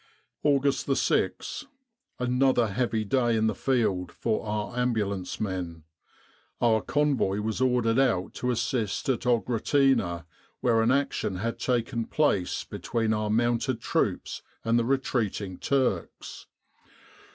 4 'August 6th. Another heavy day in the field for our Ambulance men. Our Convoy was ordered out to assist at Oghratina where an action had taken place between our mounted troops and the retreating 119 With the R.A.M.G. in Egypt Turks.